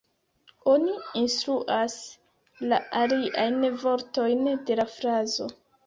Oni instruas la aliajn vortojn de la frazo.